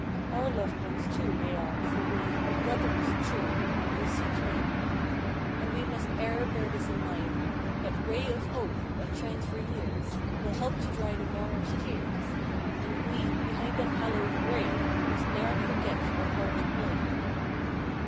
Our loved ones too, they are, for we Are brothers, true, in U. C. T. And we must e'er bear this in mind: That "Ray of Hope" that shines for years Will help to dry the mourners' tears; And we, behind that hallowed "Ray," Must ne'er forget our part to play.